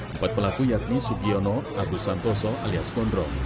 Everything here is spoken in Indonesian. empat pelaku yakni sugiono agus santoso alias kondro